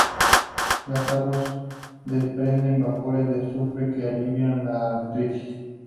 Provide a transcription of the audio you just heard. Las aguas desprenden vapores de azufre que alivian la artritis.